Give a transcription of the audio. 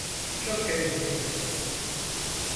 Çok eğleniyoruz.